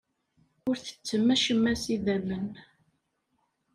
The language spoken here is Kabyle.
Ur ttettem acemma s idammen.